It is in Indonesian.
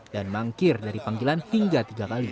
dan mangkir dari panggilan hingga tiga kali